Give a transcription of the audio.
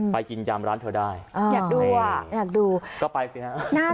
ไปกินยามร้านเธอได้อยากดูก็ไปสินะ